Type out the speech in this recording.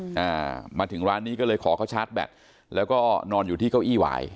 อ่ามาถึงร้านนี้ก็เลยขอเขาชาร์จแบตแล้วก็นอนอยู่ที่เก้าอี้หวาย